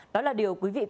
đó là điều quý vị cần biết